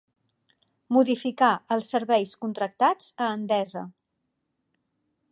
Modificar els serveis contractats a Endesa.